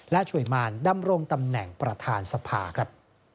และช่วยมารดำรงตำแหน่งประธานสภาครับ